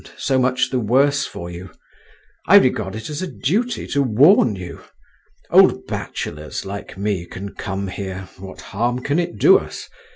so much the worse for you. I regard it as a duty to warn you. Old bachelors, like me, can come here, what harm can it do us!